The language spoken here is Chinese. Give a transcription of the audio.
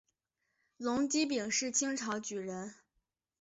龚积柄是清朝举人。